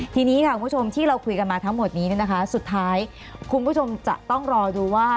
ทีนี้ค่ะคุณผู้ชมที่เราคุยกันมาทั้งหมดนี้นะคะสุดท้ายคุณผู้ชมจะต้องรอดูว่า